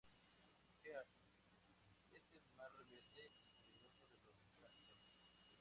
Heath es el más rebelde y peligroso de los hermanos Braxton.